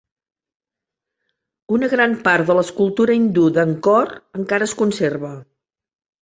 Una gran part de l'escultura hindú d'Angkor encara es conserva.